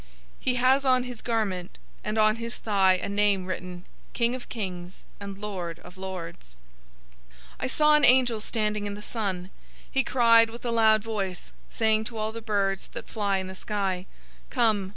019:016 He has on his garment and on his thigh a name written, "KING OF KINGS, AND LORD OF LORDS." 019:017 I saw an angel standing in the sun. He cried with a loud voice, saying to all the birds that fly in the sky, "Come!